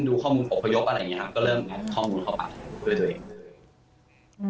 ดูข้อมูลประโยคอะไรอย่างนี้ครับก็เริ่มข้อมูลเข้าไปด้วยตัวเอง